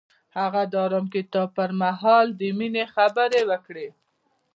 هغه د آرام کتاب پر مهال د مینې خبرې وکړې.